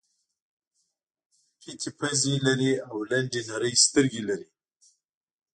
پېتې پزې لري او لنډې نرۍ سترګې لري.